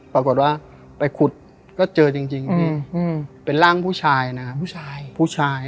ปรากฏว่าไปขุดก็เจอจริงจริงอืมอืมเป็นร่างผู้ชายนะครับผู้ชาย